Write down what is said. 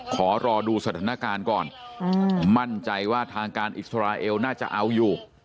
ขอรอดูสถานการณ์ก่อนมั่นใจว่าทางการอิสราเอลน่าจะเอาอยู่